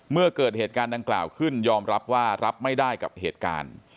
เมื่อเกิดเหตุการณ์ดังกล่าวขึ้นยอมรับว่ารับไม่ได้กับเหตุการณ์